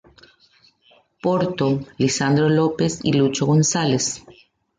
Porto, Lisandro López y Lucho González.